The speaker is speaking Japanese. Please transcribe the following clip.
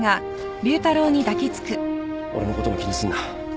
俺のことも気にすんな。